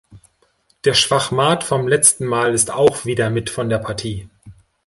Der Schwachmat vom letzten Mal ist auch wieder mit von der Partie.